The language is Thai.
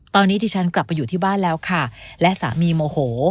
ตอนนี้ดิฉันกลับไปอยู่ที่บ้านแล้วค่ะและสามีโมโห